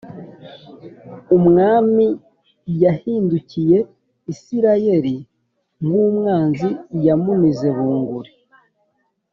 Umwami yahindukiye Isirayeli nk’umwanzi, Yamumize bunguri.